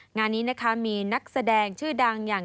งานนี้นะคะมีนักแสดงชื่อดังอย่าง